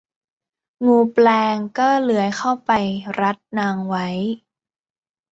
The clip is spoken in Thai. งูแปลงก็เลื้อยเข้าไปรัดนางไว้